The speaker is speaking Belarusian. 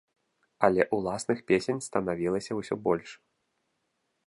Але ўласных песень станавілася ўсё больш.